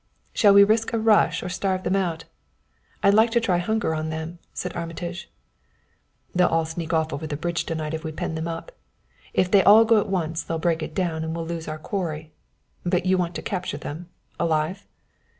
"Shall we risk a rush or starve them out? I'd like to try hunger on them," said Armitage. "They'll all sneak off over the bridge to night if we pen them up. If they all go at once they'll break it down, and we'll lose our quarry. But you want to capture them alive?"